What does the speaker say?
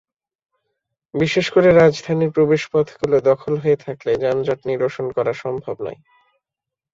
বিশেষ করে রাজধানীর প্রবেশপথগুলো দখল হয়ে থাকলে যানজট নিরসন করা সম্ভব নয়।